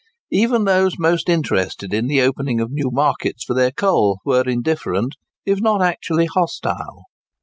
Even those most interested in the opening of new markets for their coal, were indifferent, if not actually hostile.